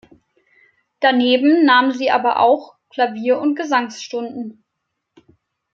Daneben nahm sie aber auch Klavier- und Gesangsstunden.